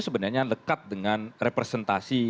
sebenarnya dekat dengan representasi